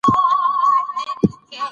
د څښاک اوبو پاک ساتل د ټولني ګډ مسوولیت دی.